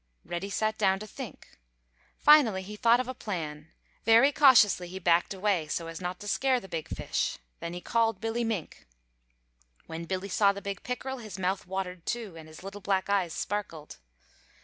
Reddy sat down to think. Finally he thought of a plan. Very cautiously he backed away so as not to scare the big fish. Then he called Billy Mink. When Billy saw the big pickerel, his mouth watered, too, and his little black eyes sparkled.